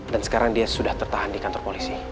dan sekarang dia sudah tertahan di kantor polisi